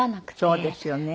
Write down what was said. そうですよね。